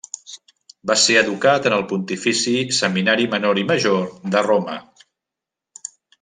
Va ser educat en el Pontifici Seminari Menor i Major de Roma.